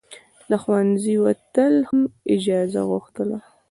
له ښوونځي وتل هم اجازه غوښتله.